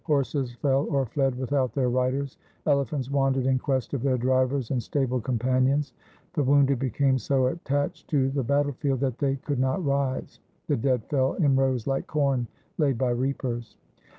Horses fell or fled without their riders. Elephants wandered in quest of their drivers and stable com panions. The wounded became so attached to the battle field that they could not rise. The dead fell in rows like corn laid by reapers.